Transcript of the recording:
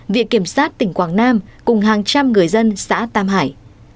viện kiểm sát tỉnh quảng nam cùng hàng trăm người dân xã tam hải